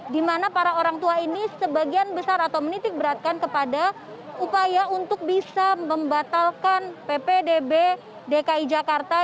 di mana para orang tua ini sebagian besar atau menitik beratkan kepada upaya untuk bisa membatalkan ppdb dki jakarta